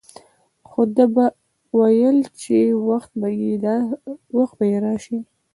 خو ده به ويل چې وخت به يې راسي.